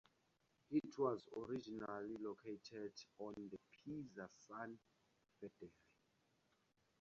It was originally located on the Piazza San Fedele.